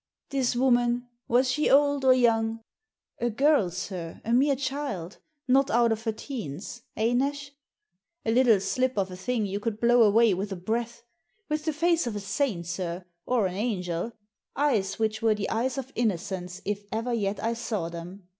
This woman, was she old or young ?"*' A girl, sir, a mere child, not out of her teens — eh, Nash ? A little slip of a thing you could blow away with a breath. With the face of a saint, sir, or an angel, eyes which were the eyes of innocence, if ever yet I saw them.